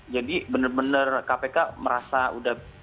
jadi benar benar kpk merasa udah